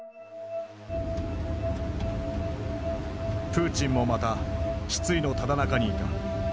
プーチンもまた失意のただ中にいた。